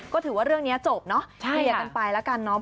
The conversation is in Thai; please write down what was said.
ก็ถือว่าเรื่องนี้จบเนอะเคลียร์กันไปแล้วกันเนาะ